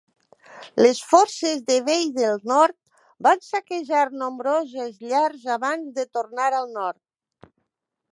Les forces de Wei del Nord van saquejar nombroses llars abans de tornar al nord.